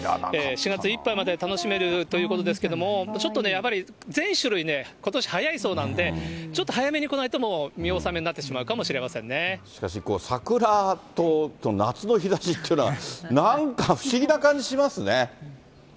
４月いっぱいまでは楽しめるということですけれども、ちょっとね、やっぱり全種類ね、ことし早いそうなんで、ちょっと早めに来ないともう見納めになってしまうかもしれませんしかし、桜と夏の日ざしっていうのは、なんか、不思議な感じしますね。